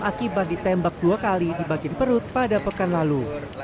akibat ditembak dua kali di bagian perut pada pekan lalu